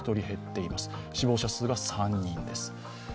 死亡者数が３人です。